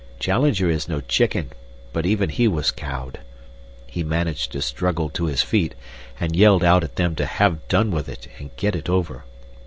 Challenger is no chicken, but even he was cowed. He managed to struggle to his feet, and yelled out at them to have done with it and get it over.